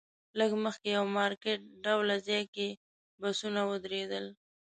لږ مخکې یو مارکیټ ډوله ځای کې بسونه ودرېدل.